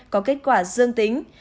có kết quả dương tính